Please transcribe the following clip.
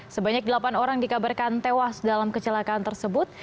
sebanyak delapan orang dikabarkan tewas dalam kecelakaan tersebut